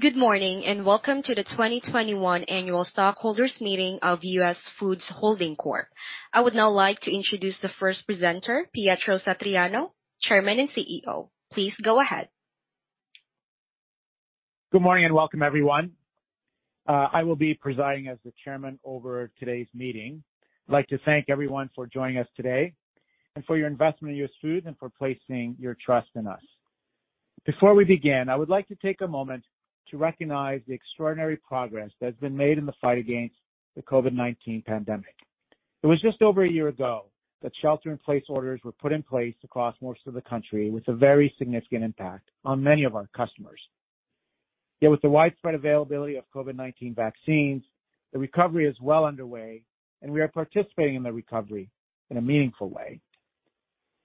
Good morning, and welcome to the 2021 Annual Stockholders Meeting of US Foods Holding Corp. I would now like to introduce the first presenter, Pietro Satriano, Chairman and CEO. Please go ahead. Good morning, and welcome, everyone. I will be presiding as the chairman over today's meeting. I'd like to thank everyone for joining us today and for your investment in US Foods and for placing your trust in us. Before we begin, I would like to take a moment to recognize the extraordinary progress that's been made in the fight against the COVID-19 pandemic. It was just over a year ago that shelter-in-place orders were put in place across most of the country, with a very significant impact on many of our customers. With the widespread availability of COVID-19 vaccines, the recovery is well underway, and we are participating in the recovery in a meaningful way.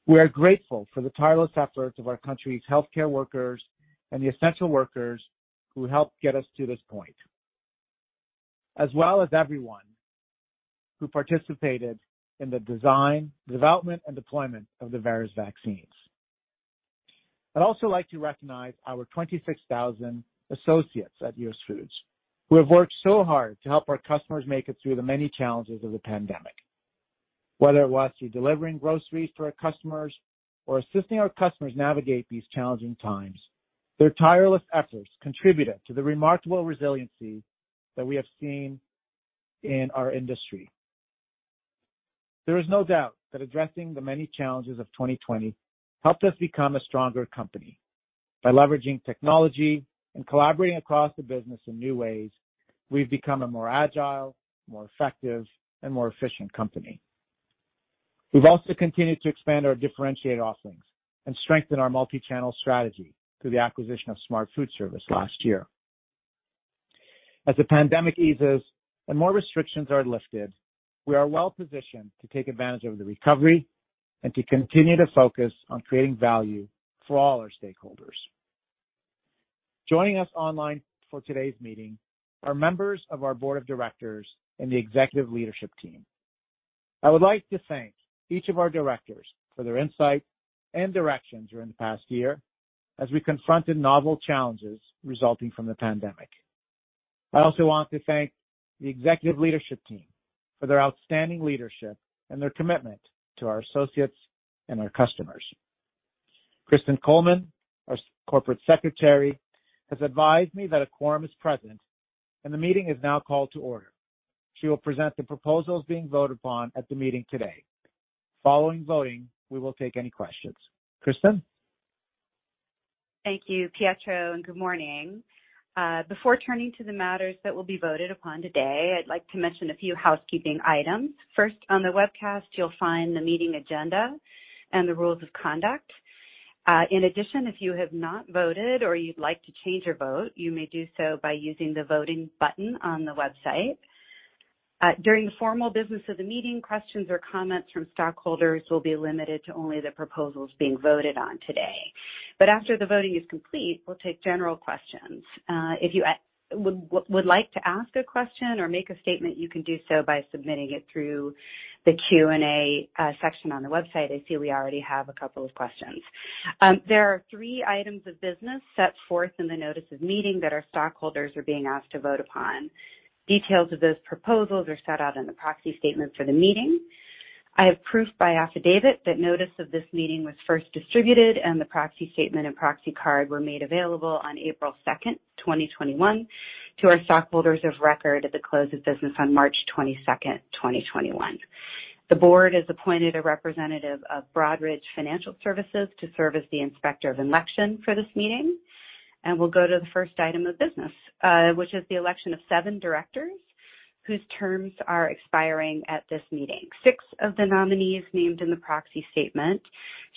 We are grateful for the tireless efforts of our country's healthcare workers and the essential workers who helped get us to this point, as well as everyone who participated in the design, development, and deployment of the various vaccines. I'd also like to recognize our 26,000 associates at US Foods, who have worked so hard to help our customers make it through the many challenges of the pandemic. Whether it was through delivering groceries to our customers or assisting our customers navigate these challenging times, their tireless efforts contributed to the remarkable resiliency that we have seen in our industry. There is no doubt that addressing the many challenges of 2020 helped us become a stronger company. By leveraging technology and collaborating across the business in new ways, we've become a more agile, more effective, and more efficient company. We've also continued to expand our differentiated offerings and strengthen our multi-channel strategy through the acquisition of Smart Foodservice last year. As the pandemic eases and more restrictions are lifted, we are well positioned to take advantage of the recovery and to continue to focus on creating value for all our stakeholders. Joining us online for today's meeting are members of our board of directors and the executive leadership team. I would like to thank each of our directors for their insight and direction during the past year as we confronted novel challenges resulting from the pandemic. I also want to thank the executive leadership team for their outstanding leadership and their commitment to our associates and our customers. Kristin Coleman, our corporate secretary, has advised me that a quorum is present, and the meeting is now called to order. She will present the proposals being voted upon at the meeting today. Following voting, we will take any questions. Kristin? Thank you, Pietro, and good morning. Before turning to the matters that will be voted upon today, I'd like to mention a few housekeeping items. First, on the webcast, you'll find the meeting agenda and the rules of conduct. In addition, if you have not voted or you'd like to change your vote, you may do so by using the voting button on the website. During the formal business of the meeting, questions or comments from stockholders will be limited to only the proposals being voted on today. After the voting is complete, we'll take general questions. If you would like to ask a question or make a statement, you can do so by submitting it through the Q&A section on the website. I see we already have a couple of questions. There are three items of business set forth in the notice of meeting that our stockholders are being asked to vote upon. Details of those proposals are set out in the proxy statement for the meeting. I have proof by affidavit that notice of this meeting was first distributed, and the proxy statement and proxy card were made available on April 2, 2021, to our stockholders of record at the close of business on March 22, 2021. The board has appointed a representative of Broadridge Financial Solutions to serve as the Inspector of Election for this meeting. We'll go to the first item of business, which is the election of seven directors whose terms are expiring at this meeting. Six of the nominees named in the proxy statement,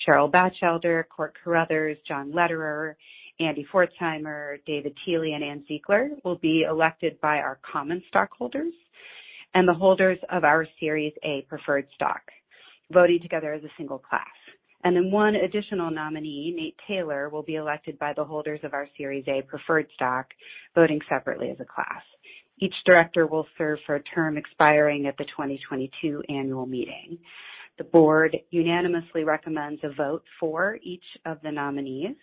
Cheryl Bachelder, Court Carruthers, John Lederer, Andy Pforzheimer, David Tehle, and Ann Ziegler, will be elected by our common stockholders and the holders of our Series A preferred stock, voting together as a single class. Then one additional nominee, Nate Taylor, will be elected by the holders of our Series A preferred stock, voting separately as a class. Each director will serve for a term expiring at the 2022 annual meeting. The board unanimously recommends a vote for each of the nominees.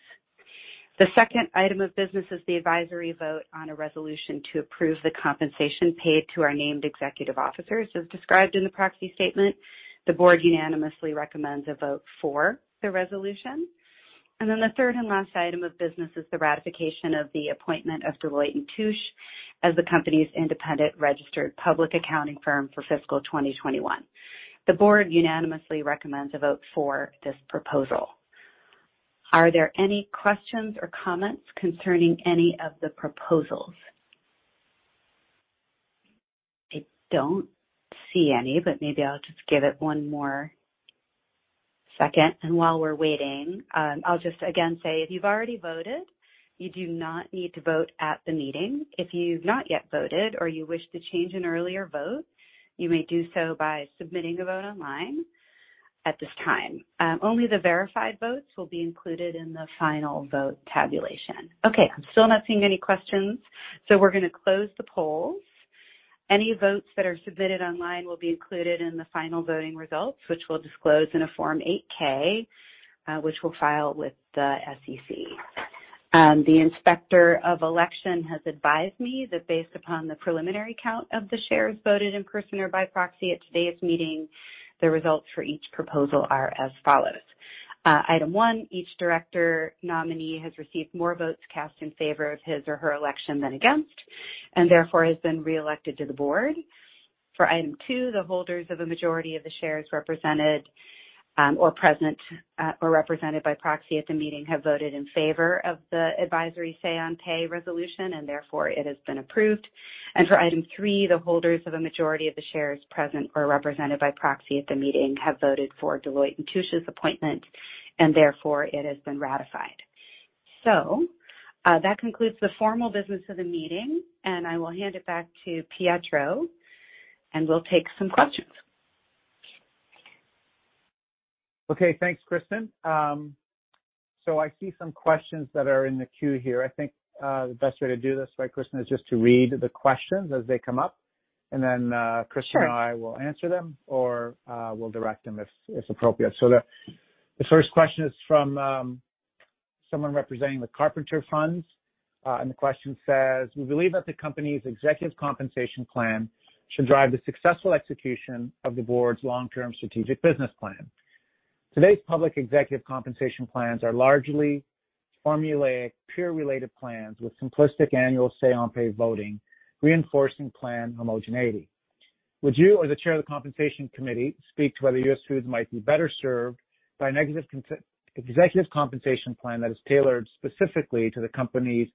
The second item of business is the advisory vote on a resolution to approve the compensation paid to our named executive officers, as described in the proxy statement. The board unanimously recommends a vote for the resolution. Then the third and last item of business is the ratification of the appointment of Deloitte & Touche as the company's independent registered public accounting firm for fiscal 2021. The board unanimously recommends a vote for this proposal. Are there any questions or comments concerning any of the proposals? I don't see any, maybe I'll just give it one more second. While we're waiting, I'll just again say, if you've already voted, you do not need to vote at the meeting. If you've not yet voted or you wish to change an earlier vote, you may do so by submitting a vote online at this time. Only the verified votes will be included in the final vote tabulation. Okay, I'm still not seeing any questions, we're gonna close the polls. Any votes that are submitted online will be included in the final voting results, which we'll disclose in a Form 8-K, which we'll file with the SEC. The Inspector of Election has advised me that based upon the preliminary count of the shares voted in person or by proxy at today's meeting, the results for each proposal are as follows. Item 1, each director nominee has received more votes cast in favor of his or her election than against, and therefore has been reelected to the board. For item 2, the holders of a majority of the shares represented, or present, or represented by proxy at the meeting, have voted in favor of the advisory say on pay resolution, and therefore it has been approved. For item three, the holders of a majority of the shares present or represented by proxy at the meeting, have voted for Deloitte & Touche's appointment, and therefore it has been ratified. That concludes the formal business of the meeting, and I will hand it back to Pietro, and we'll take some questions. Okay, thanks, Kristin. I see some questions that are in the queue here. I think the best way to do this, right, Kristin, is just to read the questions as they come up, and then. Sure. Kristin and I will answer them or, we'll direct them if appropriate. The first question is from someone representing the Carpenters Funds. The question says, "We believe that the company's executive compensation plan should drive the successful execution of the board's long-term strategic business plan. Today's public executive compensation plans are largely formulaic, peer-related plans with simplistic annual say on pay voting, reinforcing plan homogeneity. Would you, as the chair of the Compensation Committee, speak to whether US Foods might be better served by negative executive compensation plan that is tailored specifically to the company's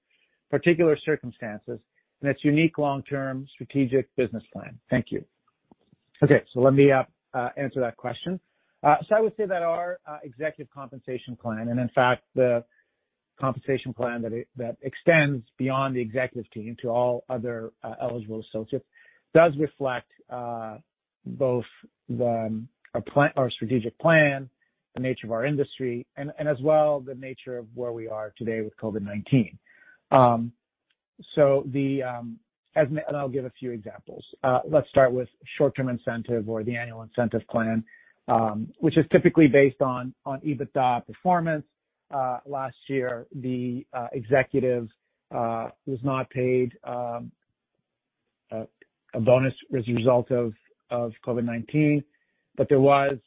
particular circumstances and its unique long-term strategic business plan? Thank you." Okay, let me answer that question. I would say that our executive compensation plan, and in fact, the compensation plan that extends beyond the executive team to all other eligible associates, does reflect both the our plan—our strategic plan, the nature of our industry, as well, the nature of where we are today with COVID-19. I'll give a few examples. Let's start with short-term incentive or the annual incentive plan, which is typically based on EBITDA performance. Last year, the executives was not paid a bonus as a result of COVID-19. There was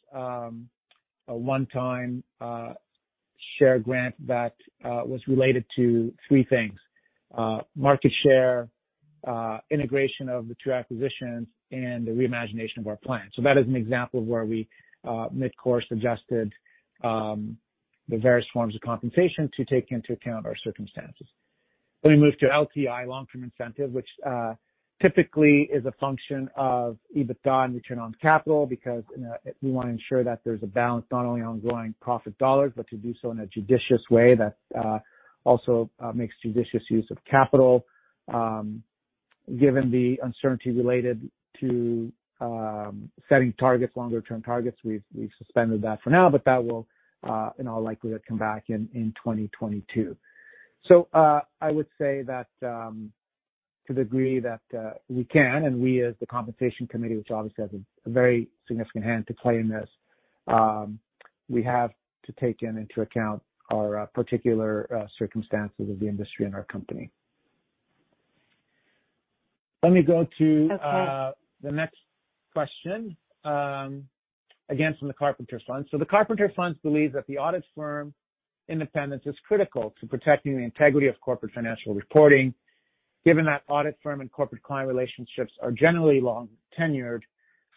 a one-time share grant that was related to three things: market share, integration of the two acquisitions, and the reimagination of our plan. That is an example of where we mid-course adjusted the various forms of compensation to take into account our circumstances. Let me move to LTI, long-term incentive, which typically is a function of EBITDA and return on capital, because we want to ensure that there's a balance, not only on growing profit dollars, but to do so in a judicious way that also makes judicious use of capital. Given the uncertainty related to setting targets, longer-term targets, we've suspended that for now, but that will in all likelihood, come back in 2022. I would say that, to the degree that, we can, and we as the Compensation Committee, which obviously has a very significant hand to play in this, we have to take into account our particular circumstances of the industry and our company. Let me go to. Okay. The next question, again, from the Carpenters Funds. "The Carpenters Funds believe that the audit firm independence is critical to protecting the integrity of corporate financial reporting. Given that audit firm and corporate client relationships are generally long-tenured,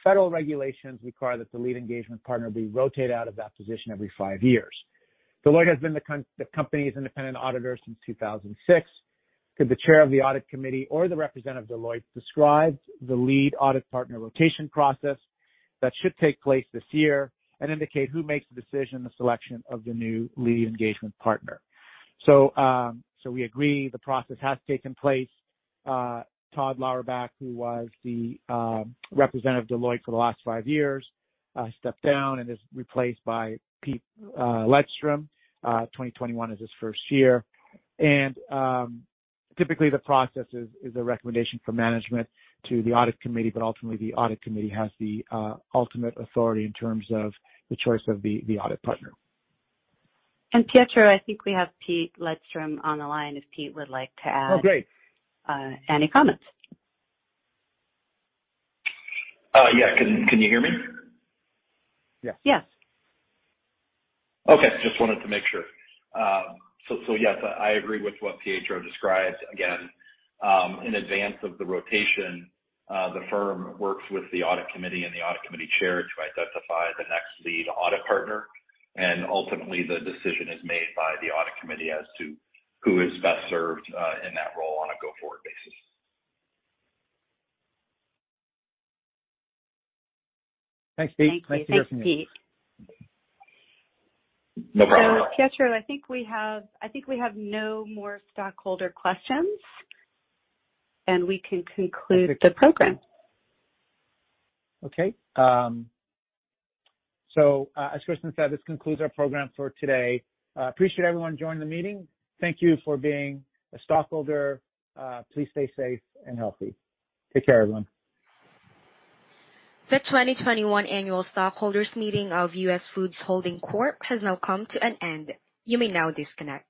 federal regulations require that the lead engagement partner be rotated out of that position every five years. Deloitte has been the company's independent auditor since 2006. Could the chair of the audit committee or the representative of Deloitte describe the lead audit partner rotation process that should take place this year, and indicate who makes the decision, the selection of the new lead engagement partner?" We agree the process has taken place. Todd Loudenback, who was the representative of Deloitte for the last 5 years, stepped down and is replaced by Pete Lindstrom. 2021 is his first year. Typically the process is a recommendation from management to the audit committee. Ultimately the audit committee has the ultimate authority in terms of the choice of the audit partner. Pietro, I think we have Pete Lindstrom on the line, if Pete would like to add- Oh, great.... any comments. yeah. Can you hear me? Yes. Yes. Okay, just wanted to make sure. Yes, I agree with what Pietro described. Again, in advance of the rotation, the firm works with the audit committee and the audit committee chair to identify the next lead audit partner, and ultimately, the decision is made by the audit committee as to who is best served, in that role on a go-forward basis. Thanks, Pete. Thank you. Nice to hear from you. Thanks, Pete. No problem. Pietro, I think we have, I think we have no more stockholder questions, and we can conclude the program. Okay. As Kristin said, this concludes our program for today. Appreciate everyone joining the meeting. Thank you for being a stockholder. Please stay safe and healthy. Take care, everyone. The 2021 Annual Stockholders Meeting of US Foods Holding Corp has now come to an end. You may now disconnect.